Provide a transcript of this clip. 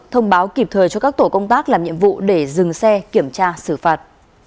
thông báo kịp thời cho các tổ công tác làm nhiệm vụ để dừng xe kiểm tra xử phạt